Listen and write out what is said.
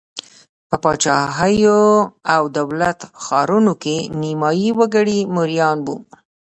په پاچاهیو او دولت ښارونو کې نیمايي وګړي مریان وو.